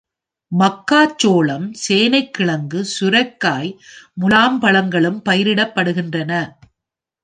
மக்காச்சோளம், சேனைக்கிழங்கு, சுரைக்காய், முலாம்பழங்களும் பயிரிடப்படுகின்றன.